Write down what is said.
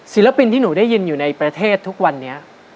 ศิลปินที่หนูได้ยินอยู่ในประเทศทุกวันนี้